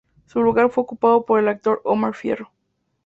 Su lugar fue ocupado por el actor Omar Fierro.